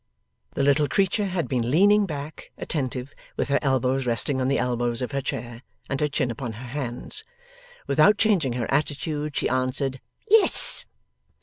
The little creature had been leaning back, attentive, with her elbows resting on the elbows of her chair, and her chin upon her hands. Without changing her attitude, she answered, 'Yes!